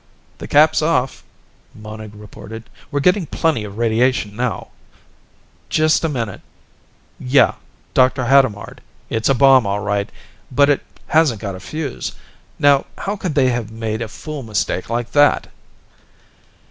"The cap's off," Monig reported. "We're getting plenty of radiation now. Just a minute Yeah. Dr. Hadamard, it's a bomb, all right. But it hasn't got a fuse. Now how could they have made a fool mistake like that?"